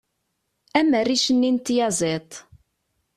am rric-nni n tyaziḍt